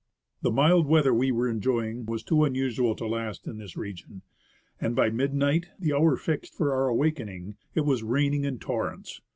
The mild weather we were enjoying was too unusual to last in this region, and by midnight — the hour fixed for our awakening — it was raining in torrents.